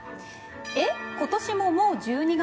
「えっ今年ももう１２月？